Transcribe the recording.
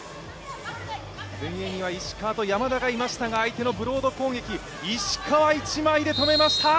前衛には石川と山田がいましたが、相手のブロード攻撃、石川、一枚で止めました！